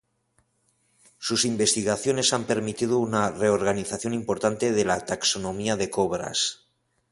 Sus investigaciones han permitido una reorganización importante de la taxonomía de cobras.